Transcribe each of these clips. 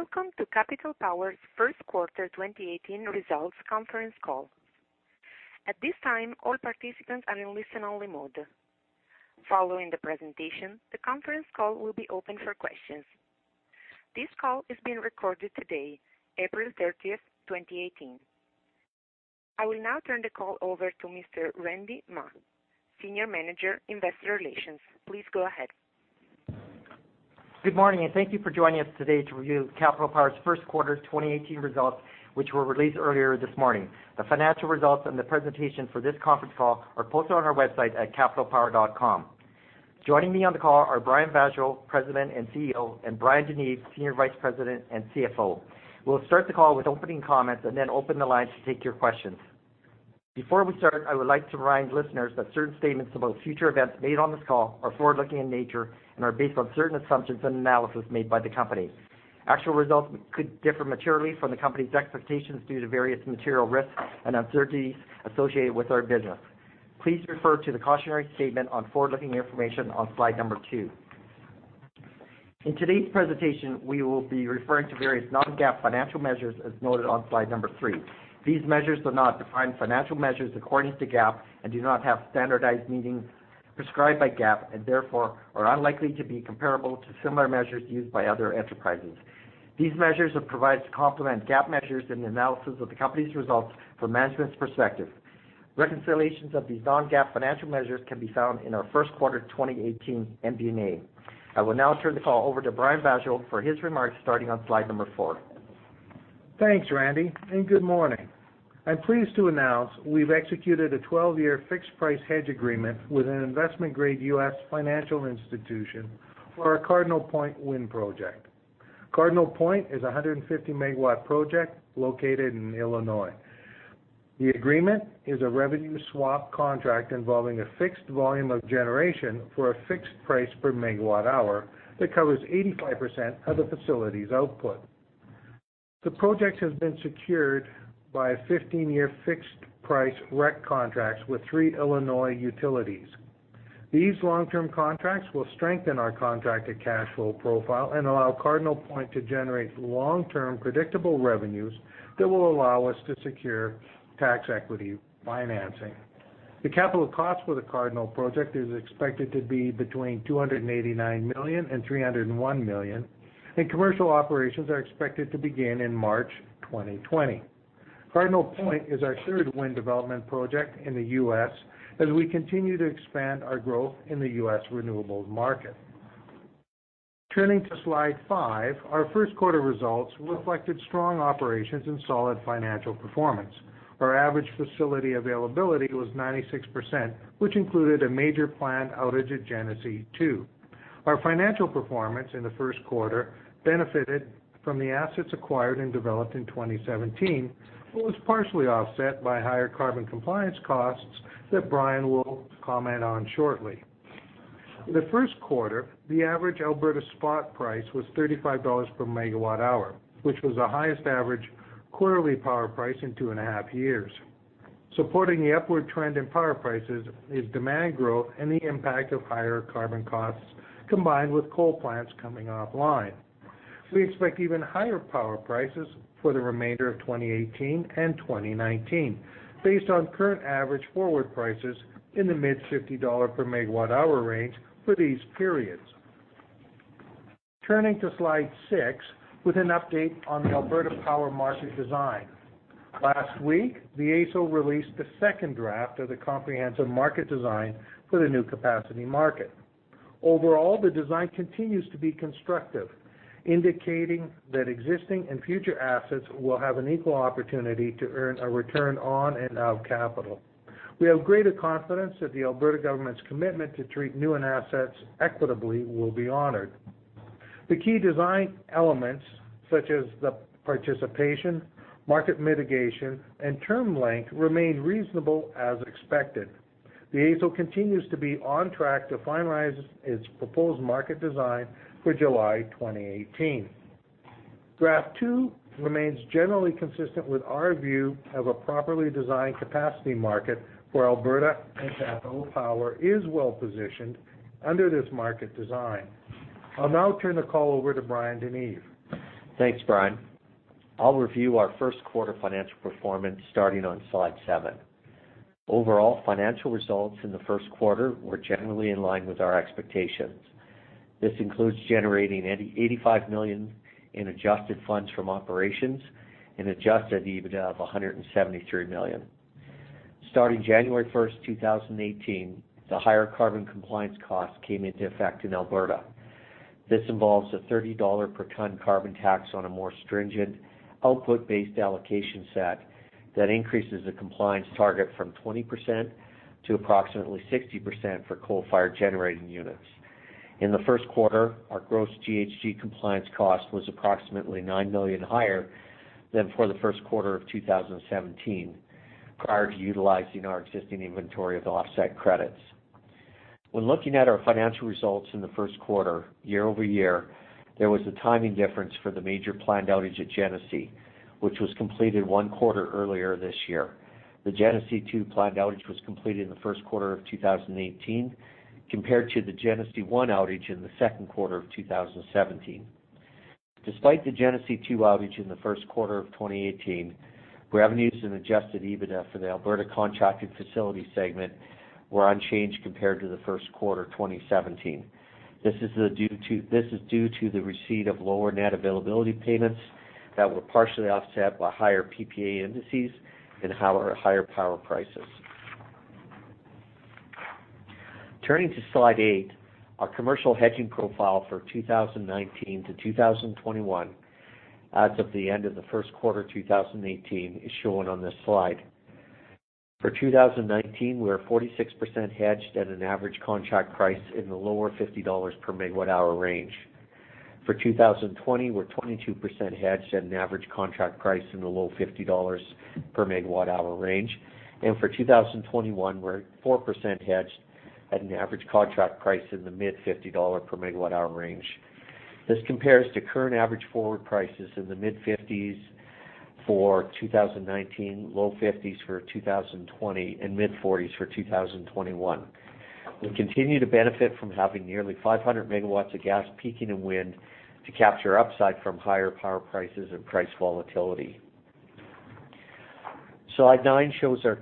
Welcome to Capital Power's first quarter 2018 results conference call. At this time, all participants are in listen-only mode. Following the presentation, the conference call will be open for questions. This call is being recorded today, April 30th, 2018. I will now turn the call over to Mr. Randy Mah, Senior Manager, Investor Relations. Please go ahead. Good morning. Thank you for joining us today to review Capital Power's first quarter 2018 results, which were released earlier this morning. The financial results and the presentation for this conference call are posted on our website at capitalpower.com. Joining me on the call are Brian Vaasjo, President and CEO, and Bryan DeNeve, Senior Vice President and CFO. We'll start the call with opening comments and then open the lines to take your questions. Before we start, I would like to remind listeners that certain statements about future events made on this call are forward-looking in nature and are based on certain assumptions and analysis made by the company. Actual results could differ materially from the company's expectations due to various material risks and uncertainties associated with our business. Please refer to the cautionary statement on forward-looking information on slide number two. In today's presentation, we will be referring to various non-GAAP financial measures as noted on slide number three. These measures do not define financial measures according to GAAP and do not have standardized meaning prescribed by GAAP and therefore are unlikely to be comparable to similar measures used by other enterprises. These measures are provided to complement GAAP measures in the analysis of the company's results from management's perspective. Reconciliations of these non-GAAP financial measures can be found in our first quarter 2018 MD&A. I will now turn the call over to Brian Vaasjo for his remarks, starting on slide number four. Thanks, Randy. Good morning. I'm pleased to announce we've executed a 12-year fixed price hedge agreement with an investment-grade U.S. financial institution for our Cardinal Point wind project. Cardinal Point is a 150-megawatt project located in Illinois. The agreement is a revenue swap contract involving a fixed volume of generation for a fixed price per megawatt hour that covers 85% of the facility's output. The project has been secured by a 15-year fixed price REC contract with three Illinois utilities. These long-term contracts will strengthen our contracted cash flow profile and allow Cardinal Point to generate long-term predictable revenues that will allow us to secure tax equity financing. The capital cost for the Cardinal project is expected to be between $289 million and $301 million, and commercial operations are expected to begin in March 2020. Cardinal Point is our third wind development project in the U.S. as we continue to expand our growth in the U.S. renewables market. Turning to slide five, our first quarter results reflected strong operations and solid financial performance. Our average facility availability was 96%, which included a major planned outage at Genesee 2. Our financial performance in the first quarter benefited from the assets acquired and developed in 2017, was partially offset by higher carbon compliance costs that Brian will comment on shortly. In the first quarter, the average Alberta spot price was 35 dollars per megawatt hour, which was the highest average quarterly power price in two and a half years. Supporting the upward trend in power prices is demand growth and the impact of higher carbon costs combined with coal plants coming offline. We expect even higher power prices for the remainder of 2018 and 2019, based on current average forward prices in the mid-CAD 50 per megawatt hour range for these periods. Turning to slide six with an update on the Alberta power market design. Last week, the AESO released the second draft of the comprehensive market design for the new capacity market. Overall, the design continues to be constructive, indicating that existing and future assets will have an equal opportunity to earn a return on and out capital. We have greater confidence that the Alberta government's commitment to treat new and assets equitably will be honored. The key design elements such as the participation, market mitigation, and term length remain reasonable as expected. The AESO continues to be on track to finalize its proposed market design for July 2018. Draft two remains generally consistent with our view of a properly designed capacity market for Alberta, Capital Power is well-positioned under this market design. I'll now turn the call over to Bryan DeNeve. Thanks, Brian. I'll review our first quarter financial performance starting on slide seven. Overall, financial results in the first quarter were generally in line with our expectations. This includes generating 85 million in adjusted funds from operations and adjusted EBITDA of 173 million. Starting January 1st, 2018, the higher carbon compliance cost came into effect in Alberta. This involves a 30 dollar per ton carbon tax on a more stringent output-based allocation set that increases the compliance target from 20% to approximately 60% for coal-fired generating units. In the first quarter, our gross GHG compliance cost was approximately nine million higher than for the first quarter of 2017, prior to utilizing our existing inventory of offset credits. When looking at our financial results in the first quarter year-over-year, there was a timing difference for the major planned outage at Genesee, which was completed one quarter earlier this year. The Genesee 2 planned outage was completed in the first quarter of 2018, compared to the Genesee 1 outage in the second quarter of 2017. Despite the Genesee 2 outage in the first quarter of 2018, revenues and adjusted EBITDA for the Alberta contracted facilities segment were unchanged compared to the first quarter 2017. This is due to the receipt of lower net availability payments that were partially offset by higher PPA indices and higher power prices. Turning to slide eight, our commercial hedging profile for 2019 to 2021 as of the end of the first quarter 2018 is shown on this slide. For 2019, we are 46% hedged at an average contract price in the lower 50 dollars per megawatt-hour range. For 2020, we're 22% hedged at an average contract price in the low 50 dollars per megawatt-hour range. For 2021, we're 4% hedged at an average contract price in the mid-CAD 50 per megawatt-hour range. This compares to current average forward prices in the mid-CAD 50s for 2019, low CAD 50s for 2020, and mid-CAD 40s for 2021. We continue to benefit from having nearly 500 megawatts of gas peaking and wind to capture upside from higher power prices and price volatility. Slide nine shows our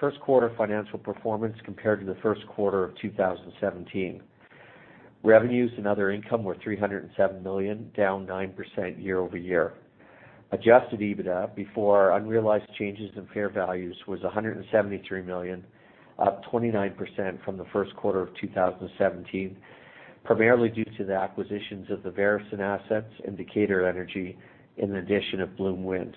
first quarter financial performance compared to the first quarter of 2017. Revenues and other income were 307 million, down 9% year-over-year. Adjusted EBITDA before unrealized changes in fair values was 173 million, up 29% from the first quarter of 2017, primarily due to the acquisitions of the Veresen assets and Decatur Energy and the addition of Bloom Wind.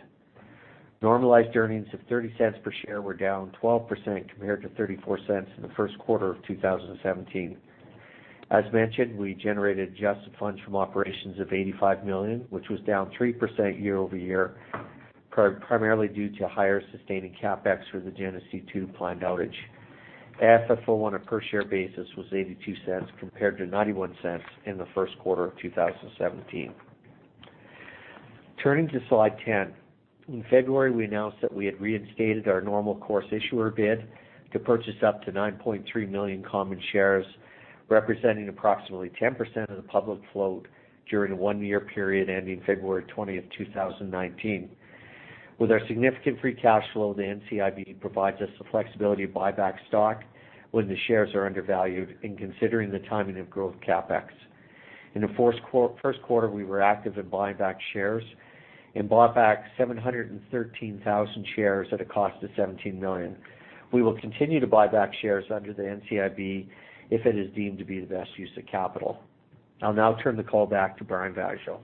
Normalized earnings of 0.30 per share were down 12% compared to 0.34 in the first quarter of 2017. As mentioned, we generated adjusted funds from operations of 85 million, which was down 3% year-over-year, primarily due to higher sustaining CapEx for the Genesee 2 planned outage. AFFO on a per-share basis was 0.82 compared to 0.91 in the first quarter of 2017. Turning to slide 10. In February, we announced that we had reinstated our normal course issuer bid to purchase up to 9.3 million common shares, representing approximately 10% of the public float during a one-year period ending February 20th, 2019. With our significant free cash flow, the NCIB provides us the flexibility to buy back stock when the shares are undervalued, and considering the timing of growth CapEx. In the first quarter, we were active in buying back shares and bought back 713,000 shares at a cost of 17 million. We will continue to buy back shares under the NCIB if it is deemed to be the best use of capital. I'll now turn the call back to Brian Vaasjo.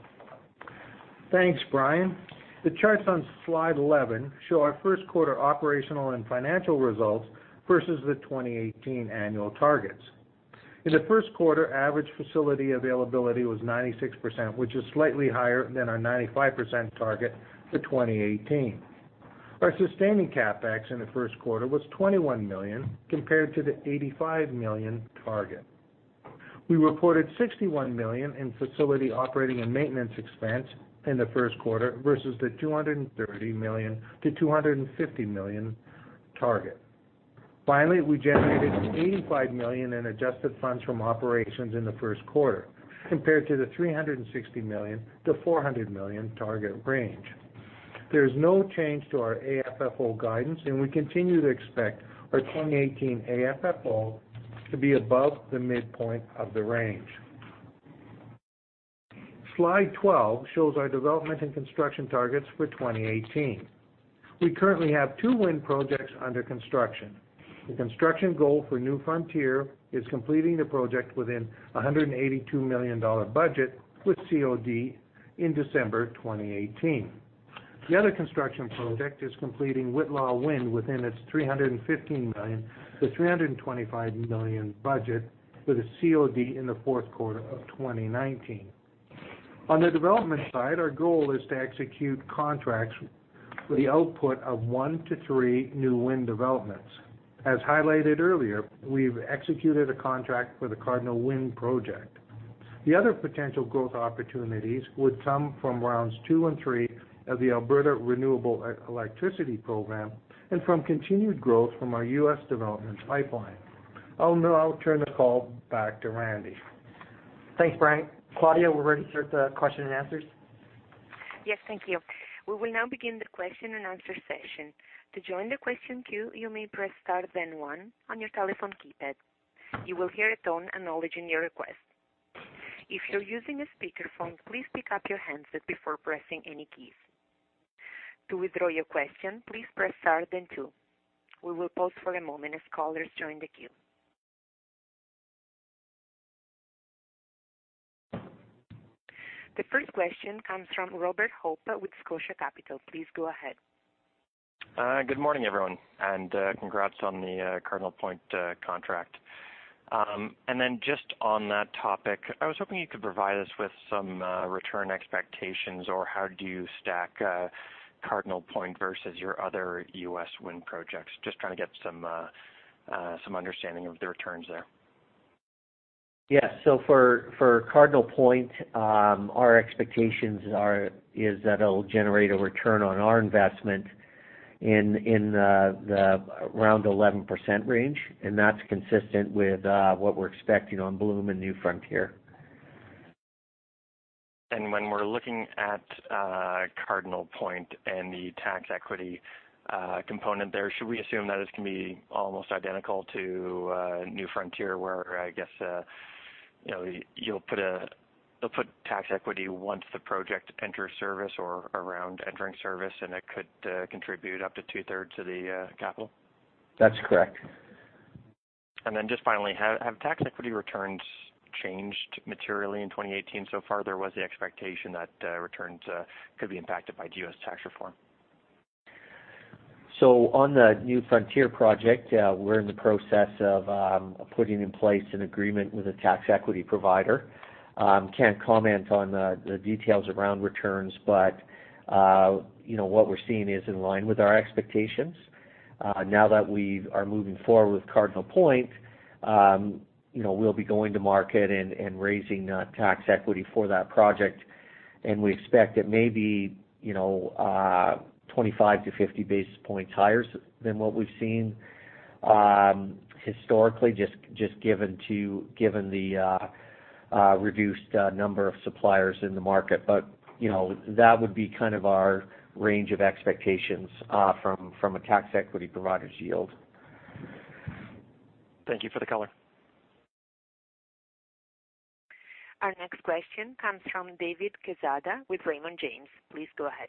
Thanks, Bryan DeNeve. The charts on slide 11 show our first quarter operational and financial results versus the 2018 annual targets. In the first quarter, average facility availability was 96%, which is slightly higher than our 95% target for 2018. Our sustaining CapEx in the first quarter was 21 million, compared to the 85 million target. We reported 61 million in facility operating and maintenance expense in the first quarter, versus the 230 million-250 million target. Finally, we generated 85 million in adjusted funds from operations in the first quarter, compared to the 360 million-400 million target range. There is no change to our AFFO guidance, and we continue to expect our 2018 AFFO to be above the midpoint of the range. Slide 12 shows our development and construction targets for 2018. We currently have two wind projects under construction. The construction goal for New Frontier is completing the project within 182 million dollar budget with COD in December 2018. The other construction project is completing Whitla Wind within its 315 million-325 million budget with a COD in the fourth quarter of 2019. On the development side, our goal is to execute contracts for the output of one to three new wind developments. As highlighted earlier, we've executed a contract for the Cardinal Point project. The other potential growth opportunities would come from rounds two and three of the Alberta Renewable Electricity Program and from continued growth from our U.S. developments pipeline. I'll now turn the call back to Randy Mah. Thanks, Brian Vaasjo. Claudia, we're ready to start the question and answers. Yes, thank you. We will now begin the question and answer session. To join the question queue, you may press star then one on your telephone keypad. You will hear a tone acknowledging your request. If you're using a speakerphone, please pick up your handset before pressing any keys. To withdraw your question, please press star then two. We will pause for a moment as callers join the queue. The first question comes from Robert Hope with Scotia Capital. Please go ahead. Good morning, everyone. Congrats on the Cardinal Point contract. Just on that topic, I was hoping you could provide us with some return expectations or how do you stack Cardinal Point versus your other U.S. wind projects? Just trying to get some understanding of the returns there. Yes. For Cardinal Point, our expectations is that it'll generate a return on our investment in around 11% range, and that's consistent with what we're expecting on Bloom and New Frontier. When we're looking at Cardinal Point and the tax equity component there, should we assume that it's going to be almost identical to New Frontier where, I guess, they'll put tax equity once the project enters service or around entering service, and it could contribute up to two-thirds of the capital? That's correct. Just finally, have tax equity returns changed materially in 2018 so far? There was the expectation that returns could be impacted by U.S. tax reform. On the New Frontier project, we're in the process of putting in place an agreement with a tax equity provider. Can't comment on the details around returns, but what we're seeing is in line with our expectations. Now that we are moving forward with Cardinal Point, we'll be going to market and raising tax equity for that project. We expect it may be 25 to 50 basis points higher than what we've seen historically, just given the reduced number of suppliers in the market. That would be kind of our range of expectations from a tax equity provider's yield. Thank you for the color. Our next question comes from David Quezada with Raymond James. Please go ahead.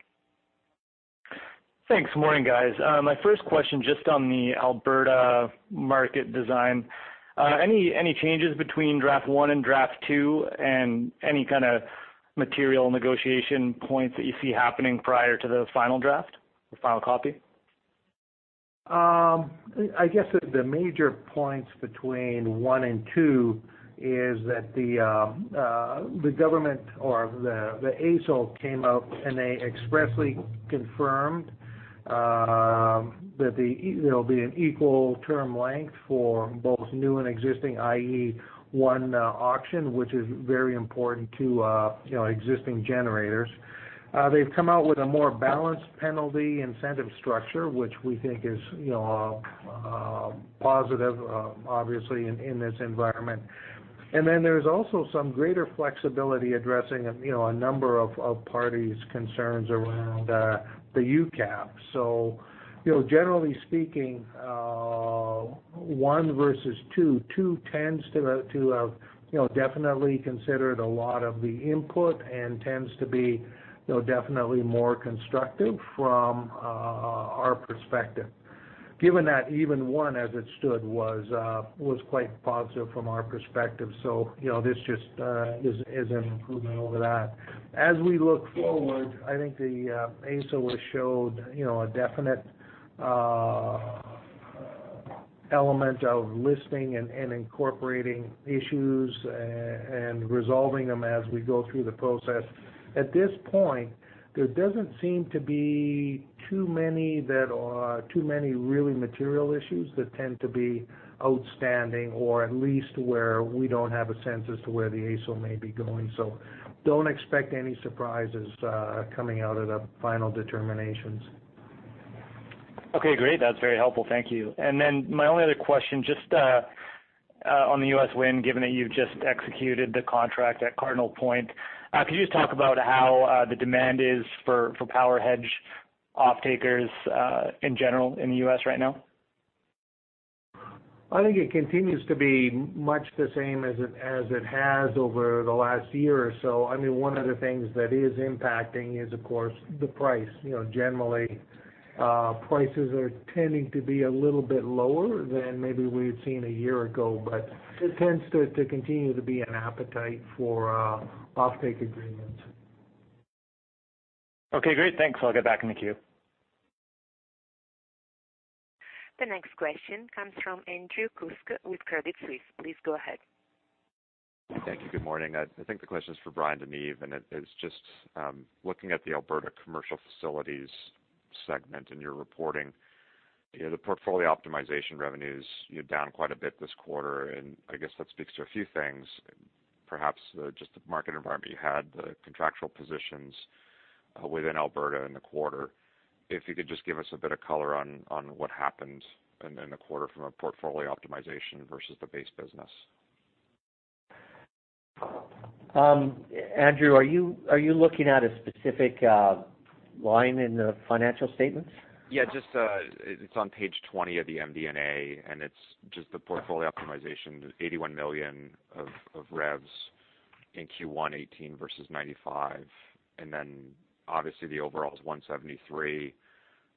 Thanks. Morning, guys. My first question, just on the Alberta market design. Any changes between draft one and draft two, and any kind of material negotiation points that you see happening prior to the final draft or final copy? I guess the major points between one and two is that the government or the AESO came out, they expressly confirmed that there will be an equal term length for both new and existing, i.e. one auction, which is very important to existing generators. They have come out with a more balanced penalty incentive structure, which we think is positive, obviously, in this environment. Then there is also some greater flexibility addressing a number of parties' concerns around the UCAP. Generally speaking, one versus two tends to have definitely considered a lot of the input and tends to be definitely more constructive from our perspective. Given that even one as it stood was quite positive from our perspective. This just is an improvement over that. As we look forward, I think the AESO has showed a definite element of listening and incorporating issues and resolving them as we go through the process. At this point, there does not seem to be too many really material issues that tend to be outstanding, or at least where we do not have a sense as to where the AESO may be going. Do not expect any surprises coming out of the final determinations. Okay, great. That is very helpful. Thank you. My only other question, just on the U.S. wind, given that you have just executed the contract at Cardinal Point, could you just talk about how the demand is for power hedge off-takers in general in the U.S. right now? I think it continues to be much the same as it has over the last year or so. One of the things that is impacting is, of course, the price. Generally, prices are tending to be a little bit lower than maybe we had seen a year ago, there tends to continue to be an appetite for off-take agreements. Okay, great. Thanks. I'll get back in the queue. The next question comes from Andrew Kuska with Credit Suisse. Please go ahead. Thank you. Good morning. I think the question is for Bryan DeNeve, it is just looking at the Alberta Commercial Facilities segment in your reporting. The portfolio optimization revenues down quite a bit this quarter, I guess that speaks to a few things. Perhaps just the market environment you had, the contractual positions within Alberta in the quarter. If you could just give us a bit of color on what happened in the quarter from a portfolio optimization versus the base business. Andrew, are you looking at a specific line in the financial statements? Yeah, it's on page 20 of the MD&A, and it's just the portfolio optimization, 81 million of revs in Q1 2018 versus 95 million. Obviously the overall is 173 million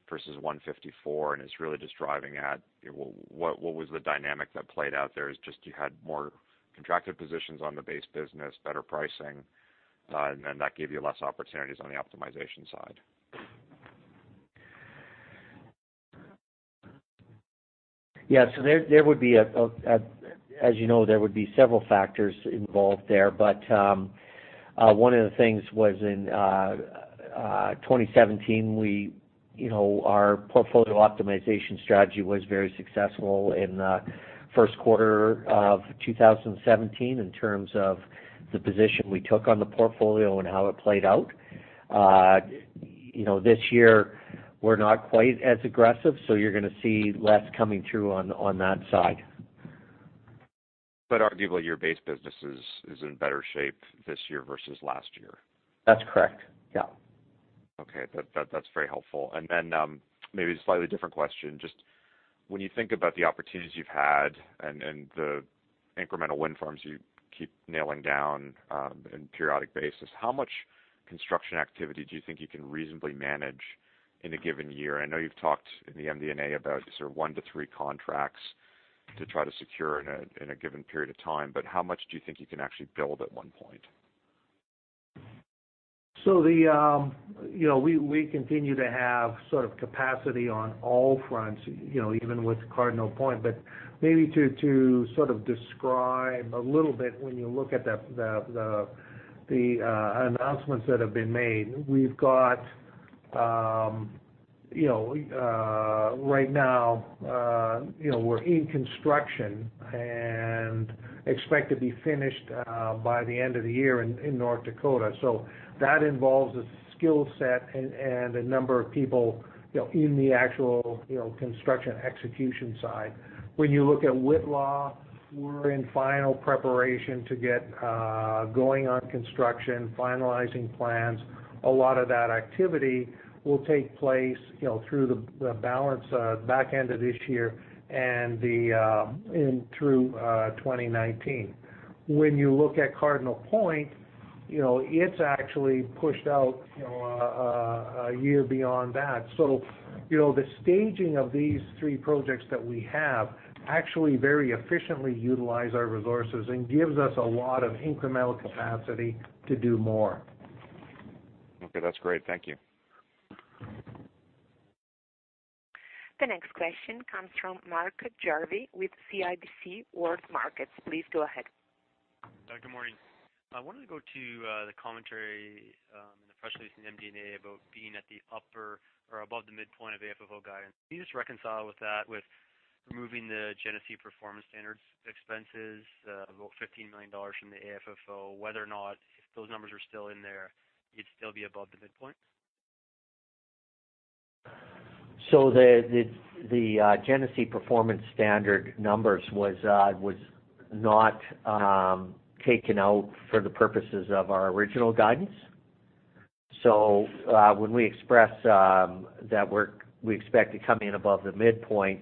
versus 154 million, and it's really just driving at what was the dynamic that played out there is just you had more contracted positions on the base business, better pricing, and then that gave you less opportunities on the optimization side. Yeah. As you know, there would be several factors involved there. One of the things was in 2017, Our portfolio optimization strategy was very successful in the first quarter of 2017 in terms of the position we took on the portfolio and how it played out. This year we're not quite as aggressive, you're going to see less coming through on that side. Arguably, your base business is in better shape this year versus last year. That's correct. Yeah. Okay. That's very helpful. Then, maybe a slightly different question. Just when you think about the opportunities you've had and the incremental wind farms you keep nailing down in periodic basis, how much construction activity do you think you can reasonably manage in a given year? I know you've talked in the MD&A about one to three contracts to try to secure in a given period of time, but how much do you think you can actually build at one point? We continue to have sort of capacity on all fronts, even with Cardinal Point. Maybe to sort of describe a little bit, when you look at the announcements that have been made, right now, we're in construction and expect to be finished by the end of the year in North Dakota. That involves a skill set and a number of people in the actual construction execution side. When you look at Whitla, we're in final preparation to get going on construction, finalizing plans. A lot of that activity will take place through the back end of this year and through 2019. When you look at Cardinal Point, it's actually pushed out a year beyond that. The staging of these three projects that we have actually very efficiently utilize our resources and gives us a lot of incremental capacity to do more. Okay. That's great. Thank you. The next question comes from Mark Jarvi with CIBC World Markets. Please go ahead. Good morning. I wanted to go to the commentary, and the press release and MD&A about being at the upper or above the midpoint of AFFO guidance. Can you just reconcile with that, with removing the Genesee performance standards expenses, about 15 million dollars from the AFFO, whether or not, if those numbers are still in there, you'd still be above the midpoint? The Genesee performance standard numbers was not taken out for the purposes of our original guidance. When we express that we expect to come in above the midpoint,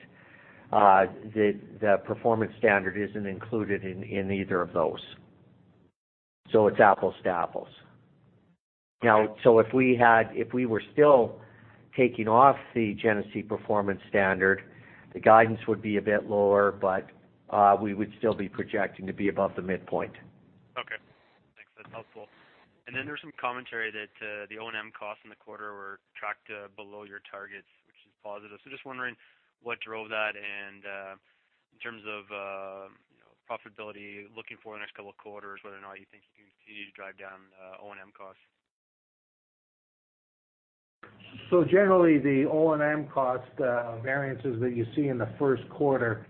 the performance standard isn't included in either of those. It's apples to apples. If we were still taking off the Genesee performance standard, the guidance would be a bit lower, but we would still be projecting to be above the midpoint. Okay, thanks. There's some commentary that the O&M costs in the quarter were tracked below your targets, which is positive. Just wondering what drove that and, in terms of profitability, looking for the next couple of quarters, whether or not you think you can continue to drive down O&M costs. Generally, the O&M cost variances that you see in the first quarter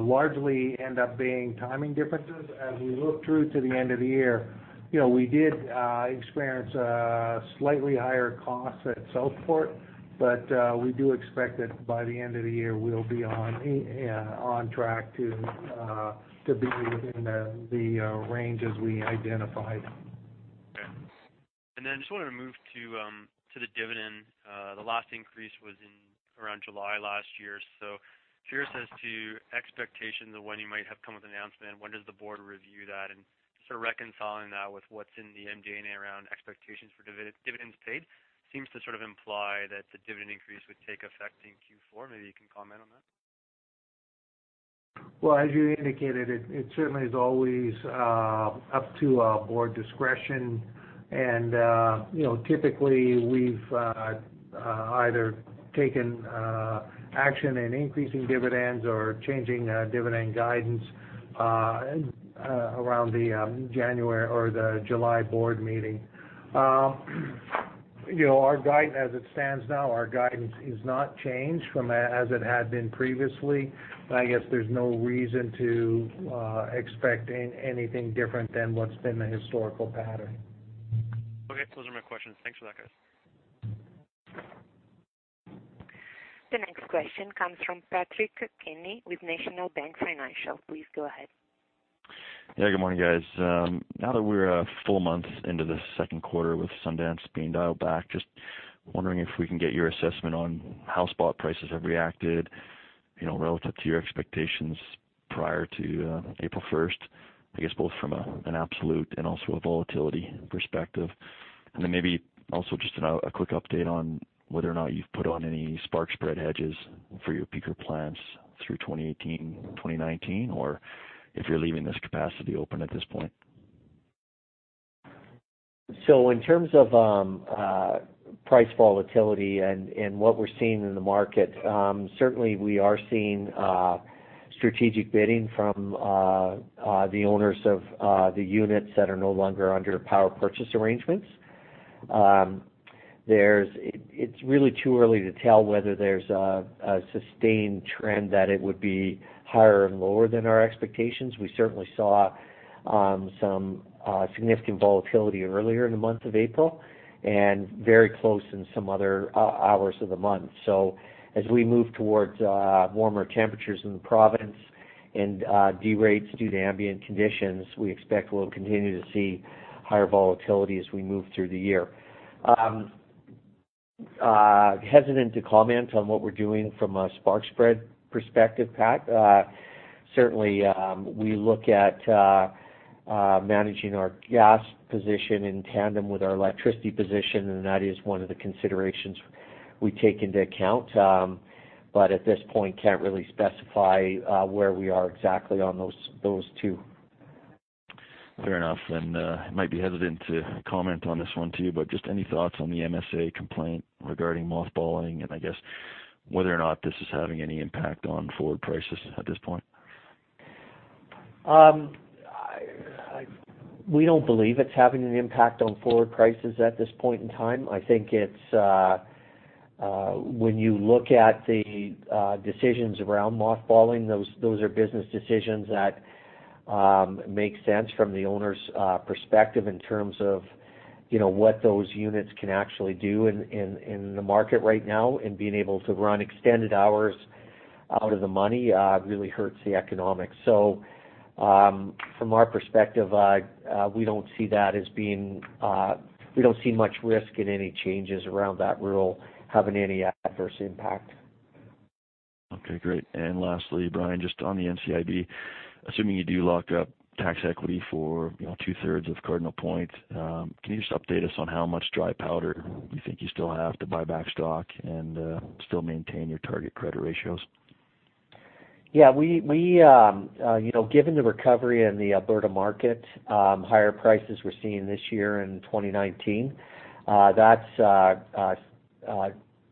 largely end up being timing differences. As we look through to the end of the year, we did experience slightly higher costs at Southport. We do expect that by the end of the year, we'll be on track to be within the ranges we identified. Okay. Then I just wanted to move to the dividend. The last increase was around July last year. Curious as to expectations of when you might have come with an announcement, when does the board review that, and sort of reconciling that with what's in the MD&A around expectations for dividends paid. Seems to sort of imply that the dividend increase would take effect in Q4. Maybe you can comment on that. Well, as you indicated, it certainly is always up to a board discretion. Typically, we've either taken action in increasing dividends or changing dividend guidance around the July board meeting. Our guidance as it stands now, our guidance is not changed from as it had been previously. I guess there's no reason to expect anything different than what's been the historical pattern. Okay. Those are my questions. Thanks for that, guys. The next question comes from Patrick Kenny with National Bank Financial. Please go ahead. Yeah, good morning, guys. Now that we're a full month into the second quarter with Sundance being dialed back, just wondering if we can get your assessment on how spot prices have reacted, relative to your expectations prior to April 1st. I guess both from an absolute and also a volatility perspective. Then maybe also just a quick update on whether or not you've put on any spark spread hedges for your peaker plants through 2018, 2019, or if you're leaving this capacity open at this point. In terms of price volatility and what we're seeing in the market, certainly we are seeing strategic bidding from the owners of the units that are no longer under power purchase arrangements. It's really too early to tell whether there's a sustained trend that it would be higher and lower than our expectations. We certainly saw some significant volatility earlier in the month of April, and very close in some other hours of the month. As we move towards warmer temperatures in the province and derates due to ambient conditions, we expect we'll continue to see higher volatility as we move through the year. Hesitant to comment on what we're doing from a spark spread perspective, Pat. Certainly, we look at managing our gas position in tandem with our electricity position, and that is one of the considerations we take into account. At this point, can't really specify where we are exactly on those two. Fair enough. Might be hesitant to comment on this one, too, but just any thoughts on the MSA complaint regarding mothballing and I guess whether or not this is having any impact on forward prices at this point? We don't believe it's having an impact on forward prices at this point in time. I think when you look at the decisions around mothballing, those are business decisions that make sense from the owner's perspective in terms of what those units can actually do in the market right now, and being able to run extended hours out of the money really hurts the economics. From our perspective, we don't see much risk in any changes around that rule having any adverse impact. Okay, great. Lastly, Bryan, just on the NCIB, assuming you do lock up tax equity for two-thirds of Cardinal Point, can you just update us on how much dry powder you think you still have to buy back stock and still maintain your target credit ratios? Yeah. Given the recovery in the Alberta market, higher prices we're seeing this year in 2019, that's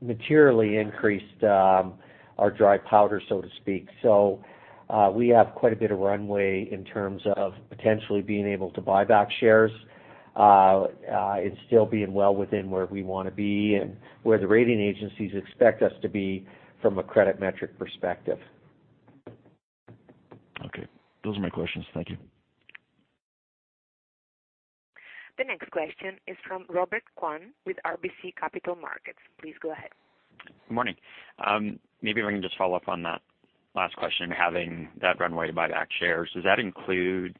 materially increased our dry powder, so to speak. We have quite a bit of runway in terms of potentially being able to buy back shares, and still being well within where we want to be and where the rating agencies expect us to be from a credit metric perspective. Okay. Those are my questions. Thank you. The next question is from Robert Kwan with RBC Capital Markets. Please go ahead. Morning. Maybe if I can just follow up on that last question, having that runway to buy back shares. Does that include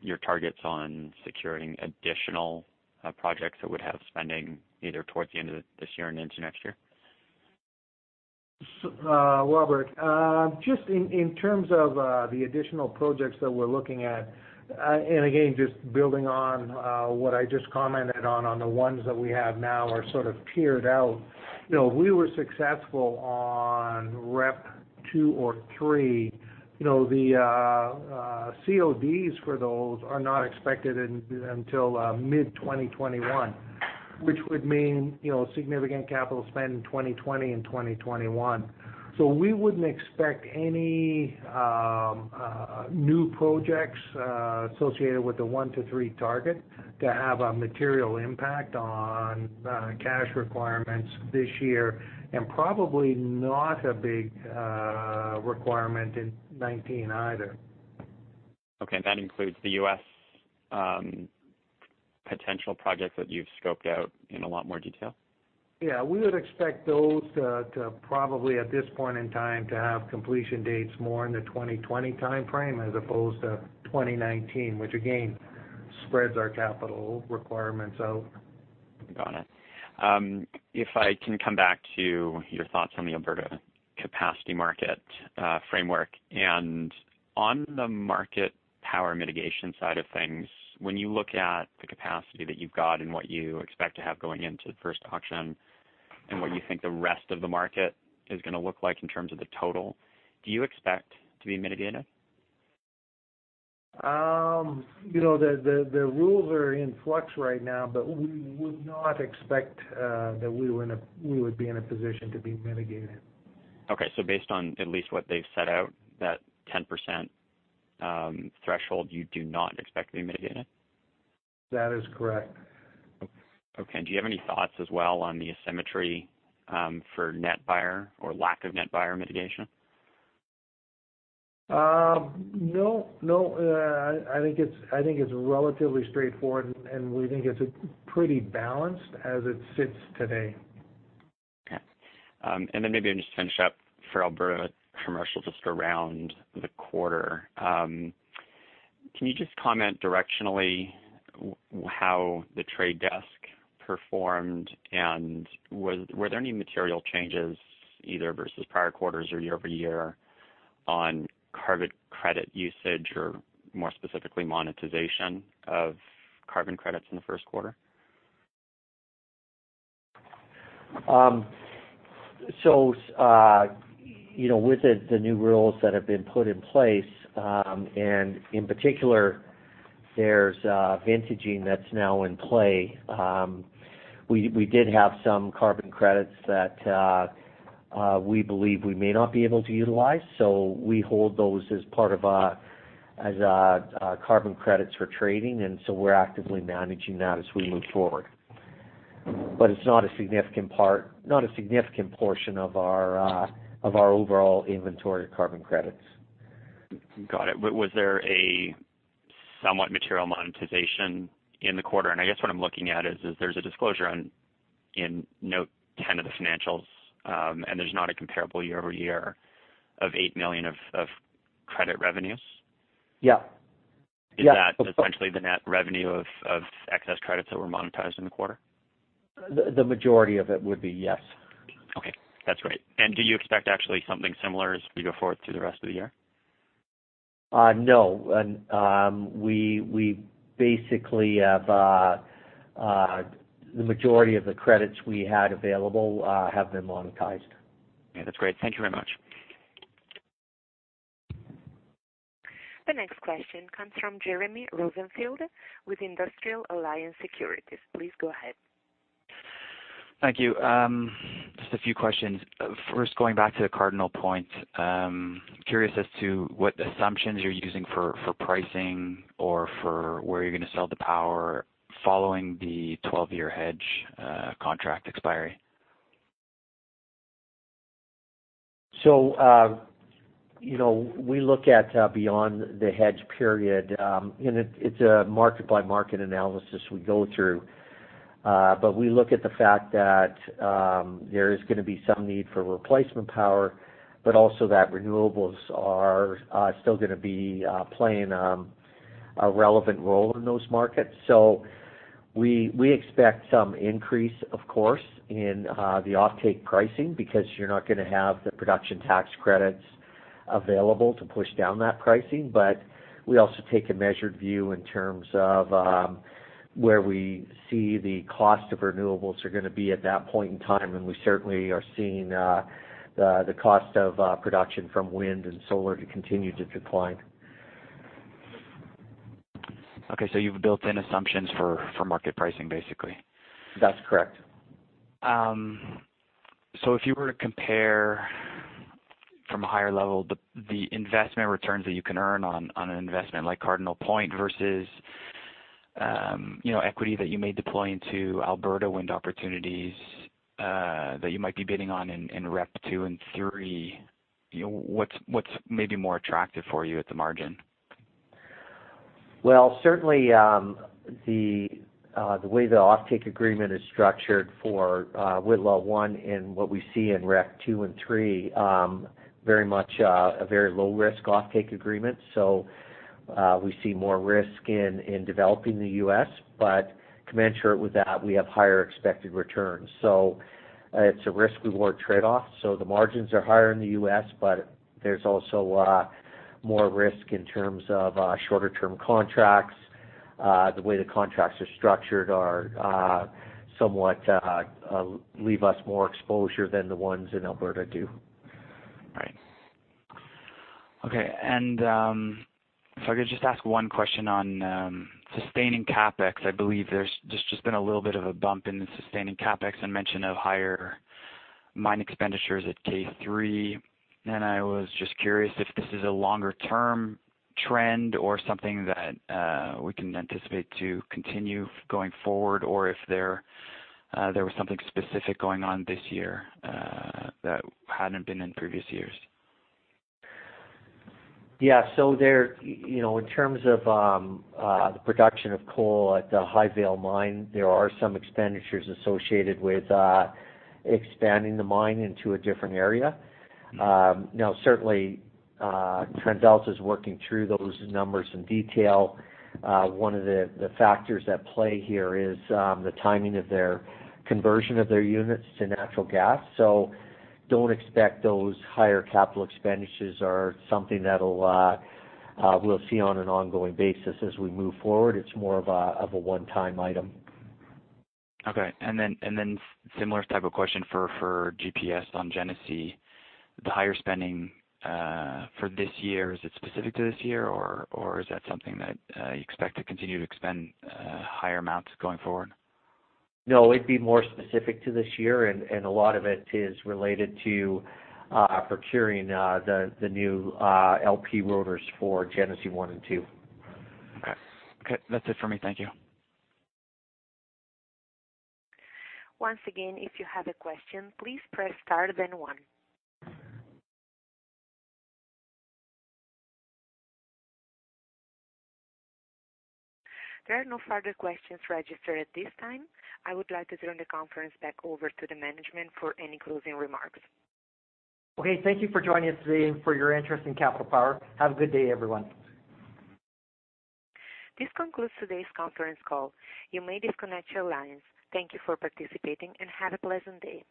your targets on securing additional projects that would have spending either towards the end of this year and into next year? Robert, just in terms of the additional projects that we're looking at, and again, just building on what I just commented on the ones that we have now are sort of tiered out. If we were successful on REP 2 or 3, the CODs for those are not expected until mid-2021, which would mean significant capital spend in 2020 and 2021. We wouldn't expect any new projects associated with the 1 to 3 target to have a material impact on cash requirements this year, and probably not a big requirement in 2019 either. Okay. That includes the U.S. potential projects that you've scoped out in a lot more detail? Yeah. We would expect those to probably, at this point in time, to have completion dates more in the 2020 timeframe as opposed to 2019, which again, spreads our capital requirements out. Got it. If I can come back to your thoughts on the Alberta capacity market framework, and on the market power mitigation side of things, when you look at the capacity that you've got and what you expect to have going into the first auction and what you think the rest of the market is going to look like in terms of the total, do you expect to be mitigated? The rules are in flux right now, but we would not expect that we would be in a position to be mitigated. Okay. Based on at least what they've set out, that 10% threshold, you do not expect to be mitigated? That is correct. Okay. Do you have any thoughts as well on the asymmetry for lack of net buyer mitigation? No. I think it's relatively straightforward, and we think it's pretty balanced as it sits today. Okay. Maybe I'll just finish up for Alberta commercial, just around the quarter. Can you just comment directionally how the trade desk performed, and were there any material changes, either versus prior quarters or year-over-year, on carbon credit usage or more specifically, monetization of carbon credits in the first quarter? With the new rules that have been put in place, and in particular there's vintaging that's now in play. We did have some carbon credits that we believe we may not be able to utilize, so we hold those as part of carbon credits for trading, we're actively managing that as we move forward. It's not a significant portion of our overall inventory of carbon credits. Got it. Was there a somewhat material monetization in the quarter? I guess what I'm looking at is, there's a disclosure in Note 10 of the financials, and there's not a comparable year-over-year of 8 million of credit revenues. Yeah. Is that essentially the net revenue of excess credits that were monetized in the quarter? The majority of it would be, yes. Okay. That's great. Do you expect actually something similar as we go forward through the rest of the year? No. We basically have the majority of the credits we had available have been monetized. Yeah, that's great. Thank you very much. The next question comes from Jeremy Rosenfield with Industrial Alliance Securities. Please go ahead. Thank you. Just a few questions. First, going back to the Cardinal Point. Curious as to what assumptions you're using for pricing or for where you're going to sell the power following the 12-year hedge contract expiry. We look at beyond the hedge period, and it's a market-by-market analysis we go through. We look at the fact that there is going to be some need for replacement power, but also that renewables are still going to be playing a relevant role in those markets. We expect some increase, of course, in the offtake pricing because you're not going to have the production tax credits available to push down that pricing. We also take a measured view in terms of where we see the cost of renewables are going to be at that point in time, and we certainly are seeing the cost of production from wind and solar to continue to decline. Okay, you've built in assumptions for market pricing, basically? That's correct. If you were to compare from a higher level, the investment returns that you can earn on an investment like Cardinal Point versus equity that you may deploy into Alberta wind opportunities that you might be bidding on in REP 2 and 3, what's maybe more attractive for you at the margin? Certainly, the way the offtake agreement is structured for Whitla 1 and what we see in REP 2 and 3, very much a very low-risk offtake agreement. We see more risk in developing the U.S. Commensurate with that, we have higher expected returns. It's a risk-reward trade-off. The margins are higher in the U.S., but there's also more risk in terms of shorter-term contracts. The way the contracts are structured somewhat leave us more exposure than the ones in Alberta do. Right. Okay. If I could just ask one question on sustaining CapEx. I believe there's just been a little bit of a bump in the sustaining CapEx and mention of higher mine expenditures at K3. I was just curious if this is a longer-term trend or something that we can anticipate to continue going forward, or if there was something specific going on this year that hadn't been in previous years. Yeah. In terms of the production of coal at the Highvale Mine, there are some expenditures associated with expanding the mine into a different area. Now certainly, TransAlta is working through those numbers in detail. One of the factors at play here is the timing of their conversion of their units to natural gas. Don't expect those higher capital expenditures are something that we'll see on an ongoing basis as we move forward. It's more of a one-time item. Okay. Similar type of question for GPS on Genesee. The higher spending for this year, is it specific to this year, or is that something that you expect to continue to expend higher amounts going forward? No, it'd be more specific to this year. A lot of it is related to procuring the new LP rotors for Genesee 1 and 2. Okay. That's it for me. Thank you. Once again, if you have a question, please press star, then one. There are no further questions registered at this time. I would like to turn the conference back over to the management for any closing remarks. Okay, thank you for joining us today and for your interest in Capital Power. Have a good day, everyone. This concludes today's conference call. You may disconnect your lines. Thank you for participating, and have a pleasant day.